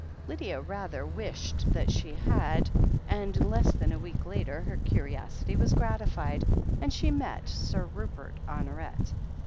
Lydia rather wished that she had, and less than a week later her curiosity was gratified, and she met Sir Rupert Honoret.